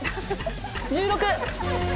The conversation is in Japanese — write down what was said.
１６！